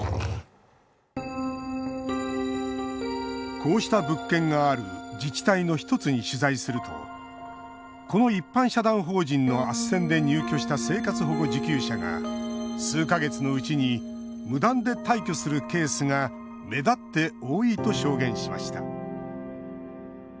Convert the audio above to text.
こうした物件がある自治体の１つに取材するとこの一般社団法人のあっせんで入居した生活保護受給者が数か月のうちに無断で退去するケースが目立って多いと証言しました。